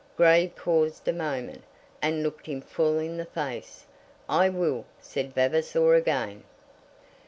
Grey paused a moment, and looked him full in the face. "I will," said Vavasor again.